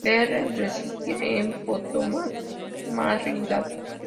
Behrens residía en Potomac, Maryland.